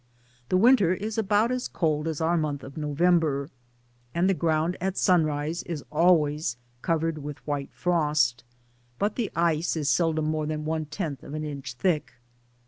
The winter is about as cold as our month of November, and the ground at sunrise is always covered with white frost, but the ice is seldom more than one* tenth of an inch thick.